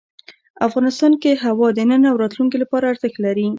افغانستان کې هوا د نن او راتلونکي لپاره ارزښت لري.